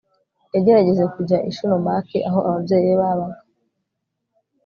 yagerageje kujya ishinomaki aho ababyeyi be babaga